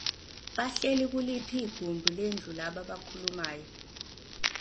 Bahleli kuliphi igumbi lendlu laba abakhulumayo.